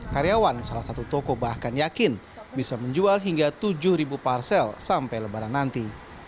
karyawan salah satu toko bahkan yakin bisa menjual hingga tujuh parsel sampai lebaran nanti